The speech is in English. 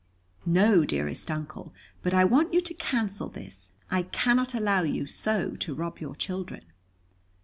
"No, dearest Uncle. But I want you to cancel this. I cannot allow you so to rob your children."